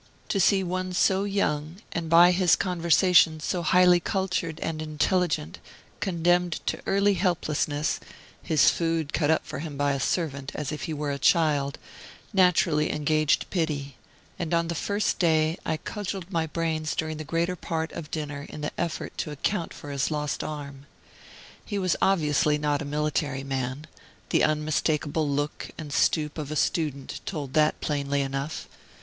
To see one so young, and by his conversation so highly cultured and intelligent, condemned to early helplessness, his food cut up for him by a servant, as if he were a child, naturally engaged pity, and, on the first day, I cudgeled my brains during the greater part of dinner in the effort to account for his lost arm. He was obviously not a military man; the unmistakable look and stoop of a student told that plainly enough.